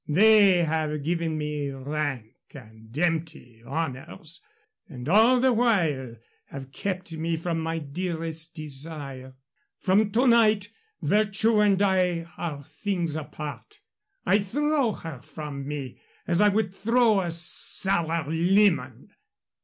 They have given me rank and empty honors, and all the while have kept me from my dearest desire. From to night virtue and I are things apart. I throw her from me as I would throw a sour lemon."